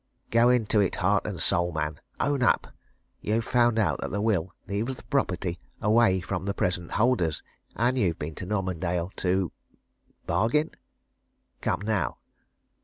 Go into it heart and soul, man! Own up! you've found out that the will leaves the property away from the present holders, and you've been to Normandale to bargain? Come, now!"